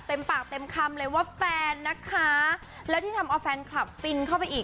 เต็มปากเต็มคำเลยว่าแฟนนะคะแล้วที่ทำเอาแฟนคลับฟินเข้าไปอีก